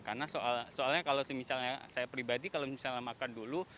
karena soalnya kalau misalnya saya pribadi kalau misalnya makan dulu